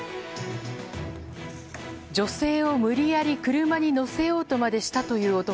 女性を無理やり車に乗せようとまでした男。